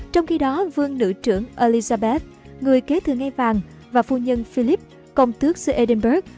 trong khi đó vương nữ trưởng elizabeth người kế thừa ngay vàng và phu nhân philip công tước sư edinburgh